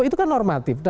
itu kan normatif